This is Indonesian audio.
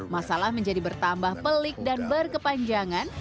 masalah menjadi bertambah pelik dan berkepanjangan